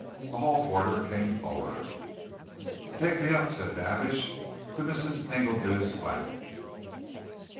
The hall porter came forward. "Take me up," said Davidge, "to Mrs. Engledew's flat."